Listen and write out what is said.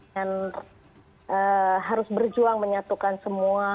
harus berjuang menyatukan semua